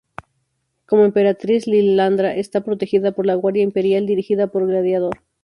Como Emperatriz, Lilandra está protegida por la Guardia Imperial, dirigida por Gladiador.